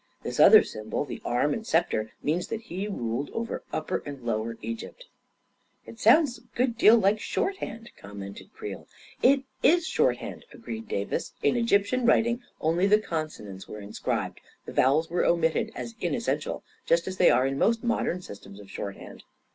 This other symbol, the arm and sceptre, means that he ruled over Upper and Lower Egypt." 197 198 A KING IN BABYLON " It sounds a good deal like shorthand," com mented Creel. 44 It is shorthand," agreed Davis. " In Egyp tian writing, only the consonants were inscribed — the vowels were omitted as inessential, just as they are in most modern systems of shorthand."